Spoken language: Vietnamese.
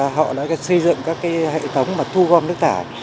họ đã xây dựng các hệ thống và thu gom nước thải